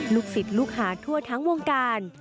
ศิษย์ลูกหาทั่วทั้งวงการ